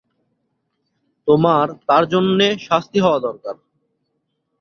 তোমার তার জন্যে শাস্তি হওয়া দরকার।